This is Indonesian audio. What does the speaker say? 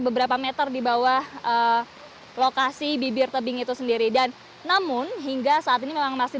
beberapa meter di bawah lokasi bibir tebing itu sendiri dan namun hingga saat ini memang masih